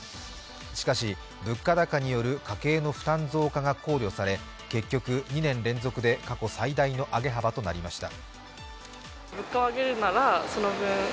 しかし物価高による家計の負担増加が考慮され結局、２年連続で過去最大の上げ幅となりました。